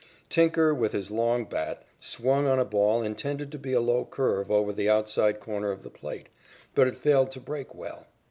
Tinker, with his long bat, swung on a ball intended to be a low curve over the outside corner of the plate, but it failed to break well.